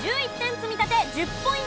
積み立て１０ポイント獲得です。